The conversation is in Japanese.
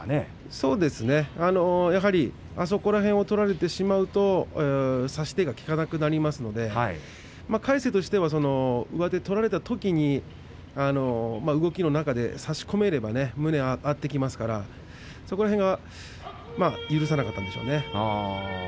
そうですねあそこら辺を取られてしまうと差し手が効かなくなりますので魁聖としては上手を取られたときに動きの中で差し込めれば胸が合ってきますからそこら辺が許さなかったんでしょうね。